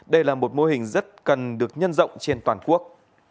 đây là một mô hình rất cần được nhân rộng trên toàn quốc